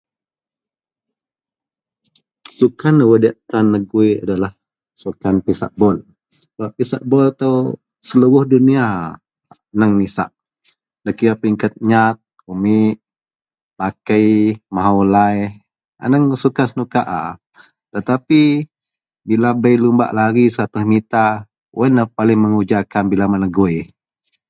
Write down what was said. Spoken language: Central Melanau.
Sukan wak diak tan negui adalah sukan pisak bol, sebab pisak bol ito seluroh dunia aneng nisak da kira peringkat nyat, umik, lakei, mahou, lai aneng wak sukan senuka aa, tetapi bila bei lubak lari seratus mita, wak yen lah paling menguja bila bak pegui.